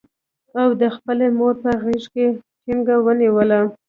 او ده خپله مور په غېږ کې ټینګه ونیوله.